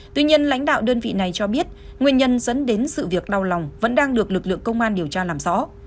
tuy nhiên lãnh đạo đơn vị này cho biết nguyên nhân dẫn đến sự việc đau lòng vẫn đang được lực lượng công an điều tra làm rõ